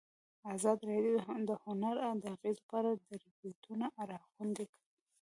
ازادي راډیو د هنر د اغېزو په اړه ریپوټونه راغونډ کړي.